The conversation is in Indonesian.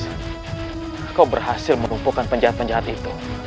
mas kau berhasil merumpukkan penjahat penjahat itu